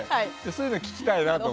そういうの、聞きたいなと思って。